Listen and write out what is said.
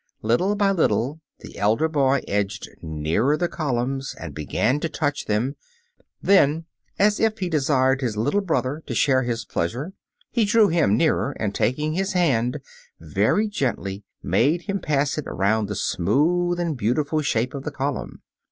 Little by little the elder boy edged nearer the columns and began to touch them, then, as if he desired his little brother to share his pleasure, he drew him nearer and, taking his hand very gently, made him pass it round the smooth and beautiful shape of the column.